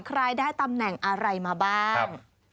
ใครได้ตำแหน่งอะไรมาบ้าง